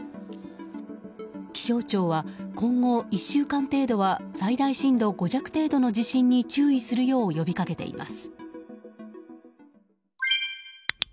気象庁は今後１週間程度は最大震度５弱程度の地震に注意するよう呼びかけています。